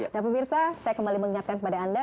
nah pemirsa saya kembali mengingatkan kepada anda